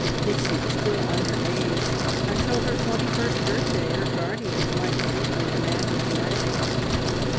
Pixie was still under age. Until her twenty first birthday her guardians might safely demand a delay.